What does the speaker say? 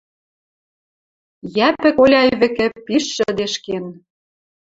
Йӓпӹк Оляй вӹкӹ пиш шӹдешкен.